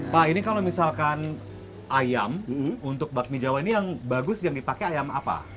pak ini kalau misalkan ayam untuk bakmi jawa ini yang bagus yang dipakai ayam apa